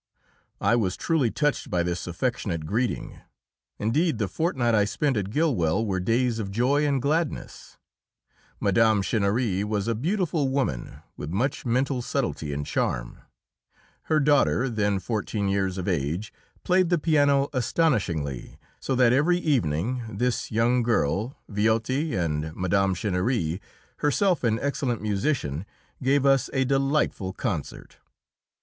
I was truly touched by this affectionate greeting; indeed, the fortnight I spent at Gillwell were days of joy and gladness. Mme. Chinnery was a beautiful woman, with much mental subtlety and charm. Her daughter, then fourteen years of age, played the piano astonishingly, so that every evening this young girl, Viotti, and Mme. Chinnery, herself an excellent musician, gave us a delightful concert.